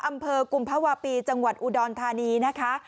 อำเภอกุมภาวะปีจังหวัดอุดรธานีนะคะ